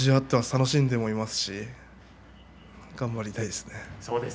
楽しんでもいますし頑張りたいですね。